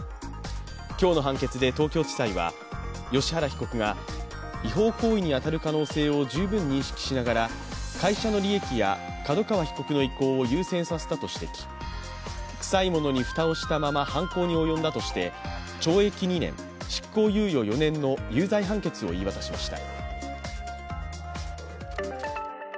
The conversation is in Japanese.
今日の判決で東京地裁は芳原被告が違法行為に当たる可能性を十分認識しながら会社の利益や角川被告の意向を優先させたと指摘、臭いものに蓋をしたまま犯行に及んだとして、懲役２年、執行猶予４年の有罪判決を言い渡しました。